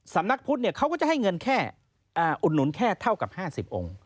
สำนักพุทธเขาก็จะให้เงินแค่อุดหนุนแค่เท่ากับ๕๐องค์